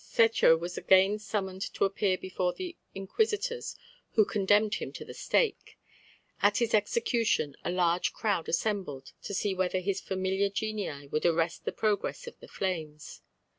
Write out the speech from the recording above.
Cecco was again summoned to appear before the Inquisitors, who condemned him to the stake. At his execution a large crowd assembled to see whether his familiar genii would arrest the progress of the flames.